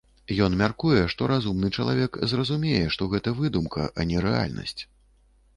Ён мяркуе, што разумны чалавек зразумее, што гэта выдумка, а не рэальнасць.